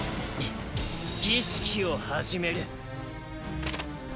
儀式を始める。